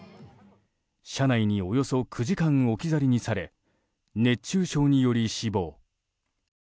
車内に、およそ９時間置き去りにされ熱中症により死亡。